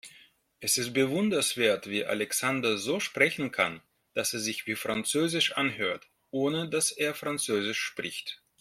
Es ist bewundernswert, wie Alexander so sprechen kann, dass es sich wie französisch anhört, ohne dass er französisch spricht.